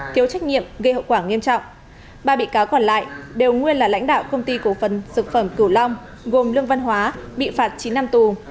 ba bị cáo còn lại đều nguyên là lãnh đạo công ty cổ phần dược phẩm cửu long gồm lương văn hóa bị phạt chín năm tù